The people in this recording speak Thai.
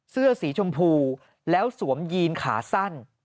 เสื้อสีชมพูแล้วสวมยีนขาสั้น